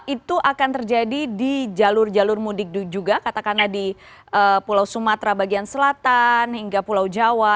itu akan terjadi di jalur jalur mudik juga katakanlah di pulau sumatera bagian selatan hingga pulau jawa